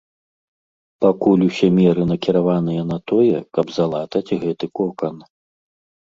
Пакуль усе меры накіраваныя на тое, каб залатаць гэты кокан.